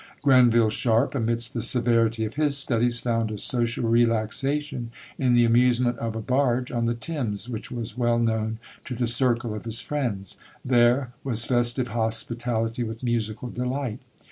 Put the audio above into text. Granville Sharp, amidst the severity of his studies, found a social relaxation in the amusement of a barge on the Thames, which was well known to the circle of his friends; there, was festive hospitality with musical delight.